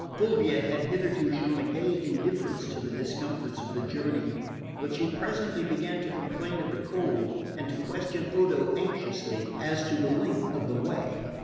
Fulvia had hitherto shown a gay indifference to the discomforts of the journey; but she presently began to complain of the cold and to question Odo anxiously as to the length of the way.